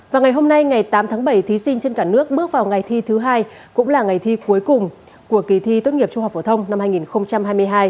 và ngày hôm nay ngày tám tháng bảy thí sinh trên cả nước bước vào ngày thi thứ hai cũng là ngày thi cuối cùng của kỳ thi tốt nghiệp trung học phổ thông năm hai nghìn hai mươi hai